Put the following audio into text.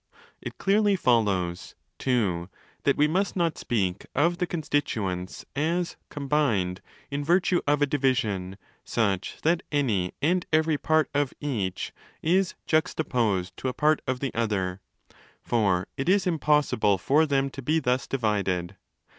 It clearly follows (ii) that we must not speak of the constituents as 'combined' in virtue of a division such that αν and every pari of each is juxta posed to a part of the other: for it is impossible for them to be thus divided.